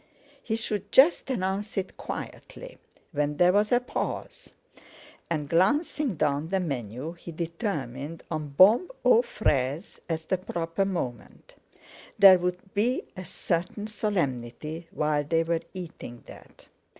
He should just announce it quietly, when there was a pause. And, glancing down the menu, he determined on "Bombe aux fraises" as the proper moment; there would be a certain solemnity while they were eating that.